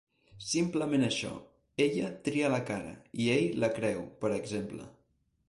Simplement això: «ella tria la cara i ell la creu», per exemple.